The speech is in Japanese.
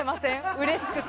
うれしくて。